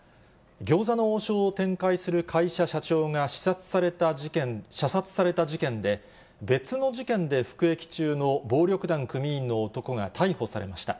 餃子の王将を展開する会社社長が射殺された事件で、別の事件で服役中の暴力団組員の男が逮捕されました。